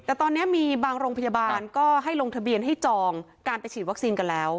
แต่ตอนนี้มีบางโรงพยาบาลก็ให้ลงทะเบียนให้จองการไปฉีดวัคซีนกันแล้ว